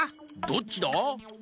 「どっちだ？」